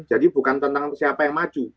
jadi bukan tentang siapa yang maju